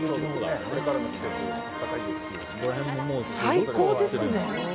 最高ですね。